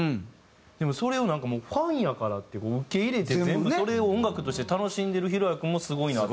でもそれをなんかもうファンやからって受け入れて全部それを音楽として楽しんでる裕哉君もすごいなと。